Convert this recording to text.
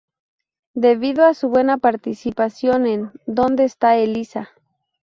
Debido a su buena participación en "¿Dónde está Elisa?